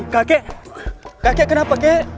kakek kenapa kakek